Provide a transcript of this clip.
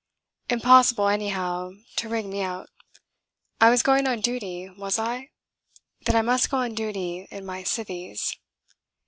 Impossible, anyhow, to rig me out. I was going on duty, was I? Then I must go on duty in my "civvies."